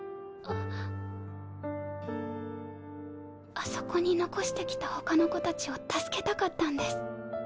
あそこに残してきたほかの子たちを助けたかったんです。